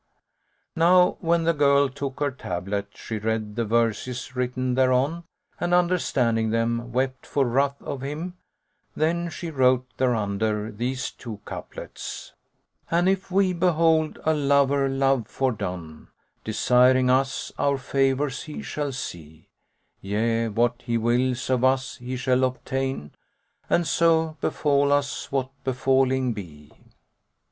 Now when the girl took her tablet, she read the verses written thereon and understanding them, wept for ruth of him; then she wrote thereunder these two couplets, "An if we behold a lover love fordone * Desiring us, our favours he shall see: Yea, what he wills of us he shall obtain, * And so befal us what befalling be."